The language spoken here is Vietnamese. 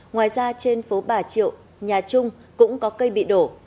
ngoài ra trên phố bà triệu nhà trung cũng có cây bị đổ